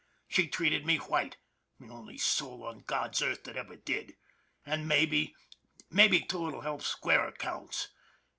She treated me white the only soul on God's earth that ever did. And maybe, maybe too, it'll help square accounts.